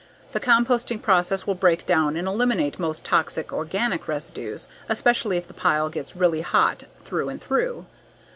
The composting process will break down and eliminate most toxic organic residues, especially if the pile gets really hot through and through.